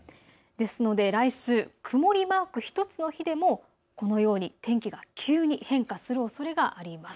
ですので来週、曇りマーク１つの日でもこのように天気は急に変化するおそれがあります。